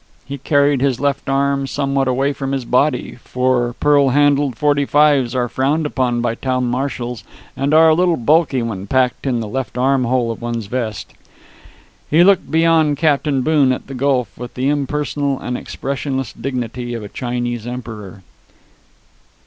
He carried his left arm somewhat away from his body, for pearl handled .45s are frowned upon by town marshals, and are a little bulky when placed in the left armhole of one's vest. He looked beyond Captain Boone at the gulf with the impersonal and expressionless dignity of a Chinese emperor.